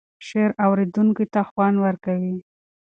شعر اوریدونکی ته خوند ورکوي.